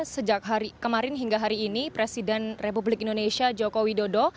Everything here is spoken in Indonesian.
sejak hari kemarin hingga hari ini presiden republik indonesia joko widodo